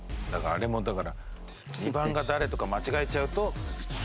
あれもだから１番が誰とか間違えちゃうと。